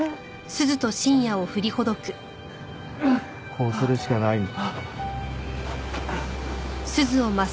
こうするしかないんだ。